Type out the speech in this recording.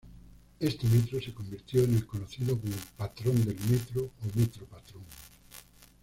Este metro se convirtió en el conocido como "patrón del metro" o "metro patrón".